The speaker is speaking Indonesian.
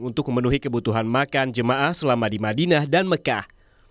untuk memenuhi kebutuhan makan jemaah selama di madinah dan mekah